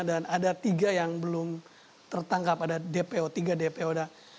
dan ada tiga yang belum tertangkap ada dpo tiga dpo dah